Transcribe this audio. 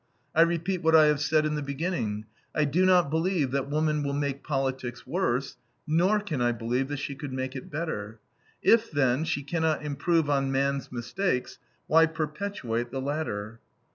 I repeat what I have said in the beginning: I do not believe that woman will make politics worse; nor can I believe that she could make it better. If, then, she cannot improve on man's mistakes, why perpetuate the latter?